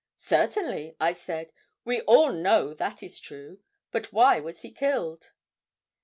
"Certainly," I said. "We all know that is true. But why was he killed?"